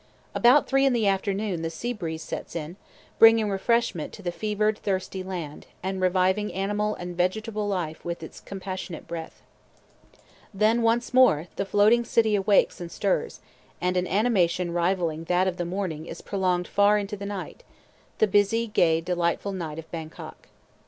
About three in the afternoon the sea breeze sets in, bringing refreshment to the fevered, thirsty land, and reviving animal and vegetable life with its compassionate breath. Then once more the floating city awakes and stirs, and an animation rivalling that of the morning is prolonged far into the night, the busy, gay, delightful night of Bangkok.